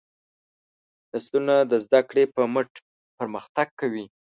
نسلونه د زدهکړې په مټ پرمختګ کوي.